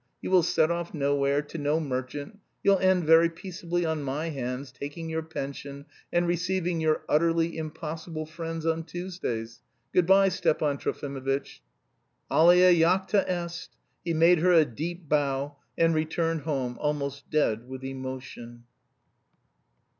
You will set off nowhere, to no merchant; you'll end very peaceably on my hands, taking your pension, and receiving your utterly impossible friends on Tuesdays. Good bye, Stepan Trofimovitch." "Alea jacta est!" He made her a deep bow, and returned home, almost dead with emotion.